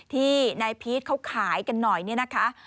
ที่นายพีชเขาขายกันหน่อยเนี่ยนะคะ